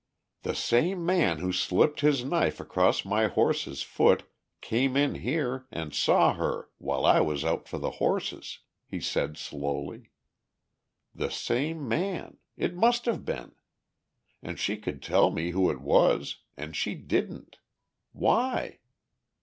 "The same man who slipped his knife across my horse's foot came in here and saw her while I was out for the horses," he said slowly. "The same man. It must have been. And she could tell me who it was and she didn't. Why?